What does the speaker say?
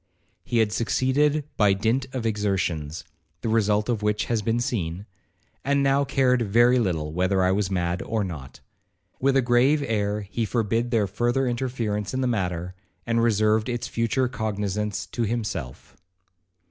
He had succeeded by dint of exertions, (the result of which has been seen), and now cared very little whether I was mad or not. With a grave air he forbid their further interference in the matter, and reserved its future cognizance to himself.